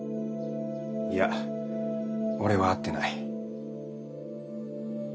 いや俺は会ってない。